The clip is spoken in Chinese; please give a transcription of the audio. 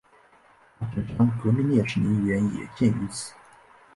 大城山革命烈士陵园也建于此。